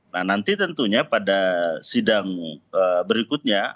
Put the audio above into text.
nah nanti tentunya pada sidang berikutnya